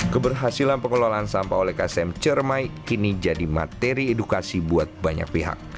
keberhasilan pengelolaan sampah oleh ksm cermai kini jadi materi edukasi buat banyak pihak